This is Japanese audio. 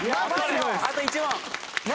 あと１問！